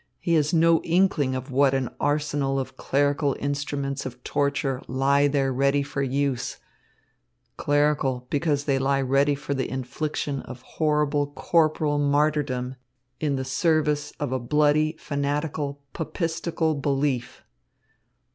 He has no inkling of what an arsenal of clerical instruments of torture lie there ready for use clerical, because they lie ready for the infliction of horrible corporal martyrdom in the service of a bloody, fanatical, papistical belief.